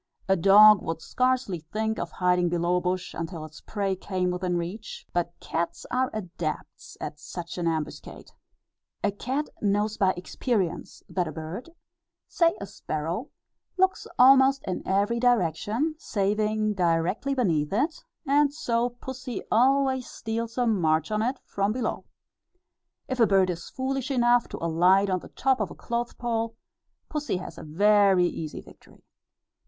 A dog would scarcely think of hiding below a bush until its prey came within reach; but cats are adepts at an ambuscade. A cat knows by experience that a bird say a sparrow looks almost in every direction, saving directly beneath it, and so pussy always steals a march on it, from below. If a bird is foolish enough to alight on the top of a clothes pole, pussy has a very easy victory.